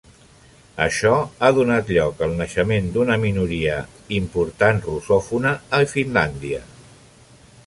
Això ha donat lloc al naixement d'un una minoria important russòfona a Finlàndia.